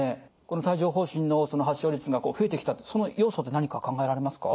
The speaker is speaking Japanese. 帯状ほう疹の発症率が増えてきたその要素って何か考えられますか？